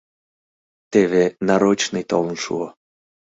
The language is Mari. Теве нарочный толын шуо.